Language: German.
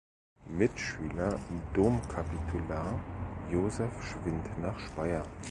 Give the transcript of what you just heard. Mitschüler, Domkapitular Joseph Schwind nach Speyer.